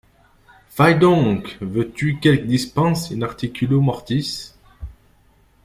Fy doncques!... — Veux-tu quelque dispense in articulo mortis?...